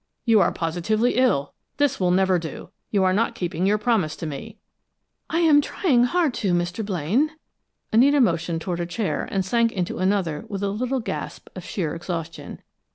"You are positively ill! This will never do. You are not keeping your promise to me." "I am trying hard to, Mr. Blaine." Anita motioned toward a chair and sank into another with a little gasp of sheer exhaustion.